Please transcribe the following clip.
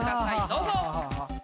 どうぞ。